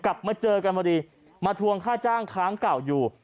กลับมาเจอกันพอดีมาทวงค่าจ้างค้างเก่าอยู่